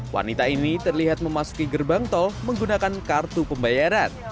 wanita ini terlihat memasuki gerbang tol menggunakan kartu pembayaran